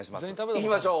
いきましょう。